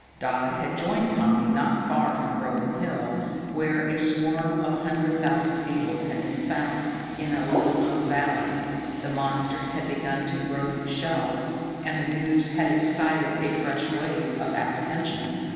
Dodd had joined Tommy not far from Broken Hill, where a swarm of a hundred thousand beetles had been found in a little known valley. The monsters had begun to grow new shells, and the news had excited a fresh wave of apprehension.